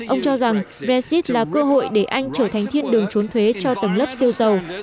ông cho rằng brexit là cơ hội để anh trở thành thiên đường trốn thuế cho tầng lớp siêu dầu